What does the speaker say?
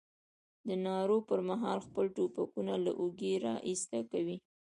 د نارو پر مهال خپل ټوپکونه له اوږې را ایسته کوي.